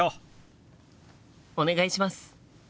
お願いします！